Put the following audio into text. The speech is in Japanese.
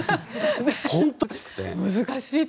本当に難しくて。